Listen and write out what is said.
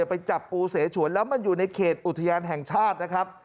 ไปจับปูเสฉวนแล้วมันอยู่ในเขตอุทยานแห่งชาตินะครับ